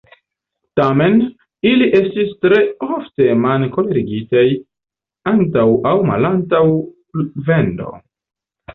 Tamen, ili estis tre ofte man-kolorigitaj antaŭ aŭ malantaŭ vendo.